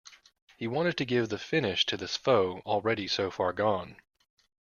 He wanted to give the finish to this foe already so far gone.